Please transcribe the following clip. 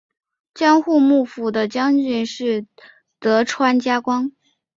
江户幕府的将军是德川家光。